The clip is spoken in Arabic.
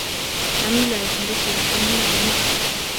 سامي لا يحمل سلاحه النّاري معه.